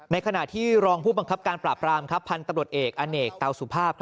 ขณะที่รองผู้บังคับการปราบรามพันธุ์ตำรวจเอกอเนกเตาสุภาพ